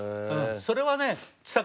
それはね。